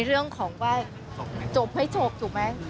เรื่องของว่าจบให้ฉกถูกไหม